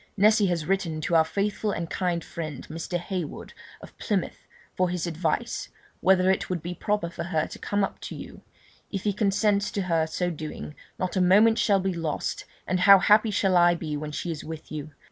Nessy has written to our faithful and kind friend, Mr. Heywood, of Plymouth, for his advice, whether it would be proper for her to come up to you; if he consents to her so doing, not a moment shall be lost, and how happy shall I be when she is with you!